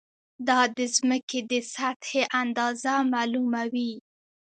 دا د ځمکې د سطحې اندازه معلوموي.